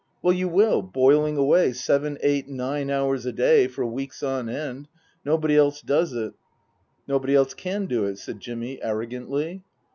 " Well, you will, boiling away seven eight nine hours a day for weeks on end. Nobody else does it." " Nobody else can do it," said Jimmy arrogantly.